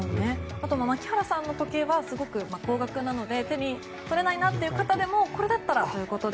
あと、牧原さんの時計はすごく高額なので手に取れないなという方でもこれだったらということで。